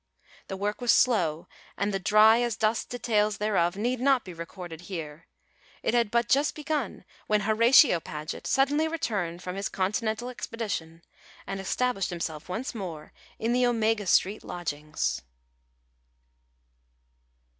The work was slow, and the dry as dust details thereof need not be recorded here. It had but just begun when Horatio Paget suddenly returned from his Continental expedition, and established himself once more in the Omega Street lodgings.